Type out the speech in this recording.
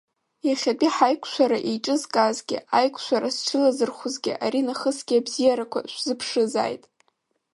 Иахьатәи ҳаиқәшәара еиҿызкаазгьы, аиқәшәара зҽалазырхәзгьы ари нахысгьы абзиарақәа шәзыԥшызааит!